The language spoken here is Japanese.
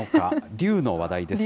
竜の話題です。